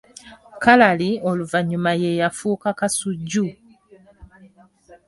Kalali oluvannyuma ye yafuuka Kasujju